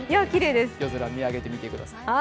夜空、見上げてみてください